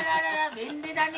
便利だね！